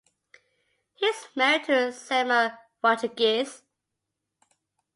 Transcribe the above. He is married to Selma Rodrigues.